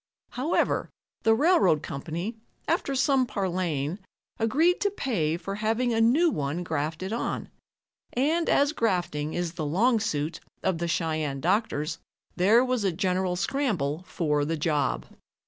However, the railroad company, after some parleying, agreed to pay for having a new one grafted on, and as grafting is the long suit of the Cheyenne doctors, there was a general scramble for the job.